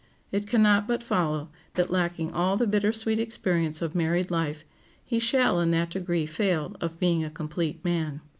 It can not but follow that, lacking all the bitter sweet experience of married life, he shall in that degree fail of being a complete man.